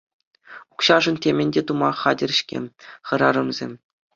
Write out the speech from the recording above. Укҫашӑн темӗн те тума хатӗр-ҫке хӗрарӑмсем.